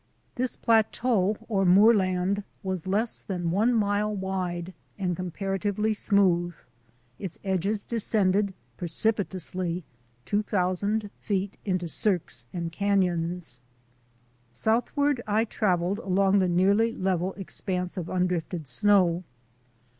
This plateau or moorland was less than one mile wide and comparatively smooth. Its edges descended precipitously two thousand feet into cirques and canons. Southward I travelled along the nearly level expanse of undrifted snow.